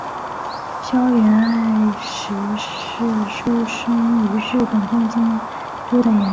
筱原爱实是出身于日本东京都的演员。